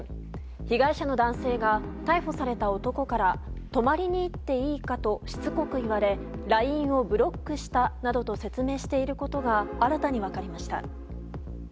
被害者の男性が逮捕された男から泊まりに行っていいかとしつこく言われＬＩＮＥをブロックしたなどと説明していることが新たに分かりました。